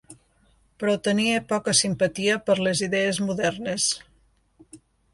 Però tenia poca simpatia per les idees modernes.